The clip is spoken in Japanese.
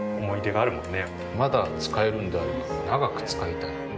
まだ使えるんであれば長く使いたい。